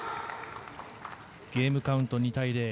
ゲームカウント２対０。